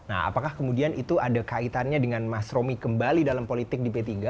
nah apakah kemudian itu ada kaitannya dengan mas romi kembali dalam politik di p tiga